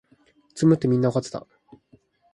詰むってみんなわかってた